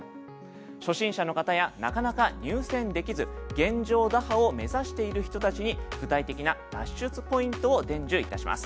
初心者の方やなかなか入選できず現状打破を目指している人たちに具体的な脱出ポイントを伝授いたします。